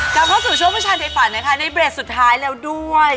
กลับเข้าสู่ช่วงผู้ชายในฝันนะคะในเบรกสุดท้ายแล้วด้วย